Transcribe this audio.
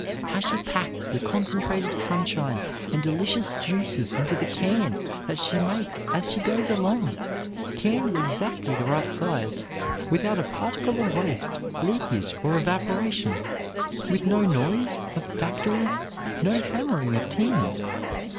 How she packs the concentrated sunshine and delicious juices into the cans that she makes as she goes along, cans exactly the right size, without a particle of waste, leakage or evaporation, with no noise of factories, no hammering of tins!